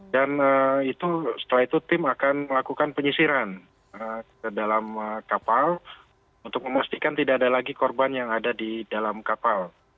dan setelah itu tim akan melakukan penyisiran ke dalam kapal untuk memastikan tidak ada lagi korban yang ada di dalam kapal